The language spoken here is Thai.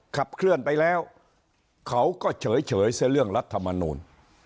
ขับเคลื่อนไปแล้วเขาก็เฉยเสียเรื่องรัฐมนูล